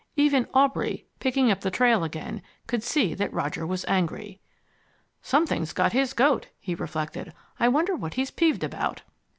Even Aubrey, picking up the trail again, could see that Roger was angry. "Something's got his goat," he reflected. "I wonder what he's peeved about?"